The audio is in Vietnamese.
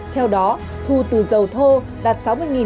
theo đó thu từ dầu thô đạt sáu mươi